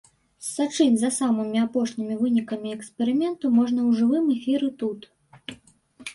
Сачыць за самымі апошнімі вынікамі эксперыменту можна ў жывым эфіры тут.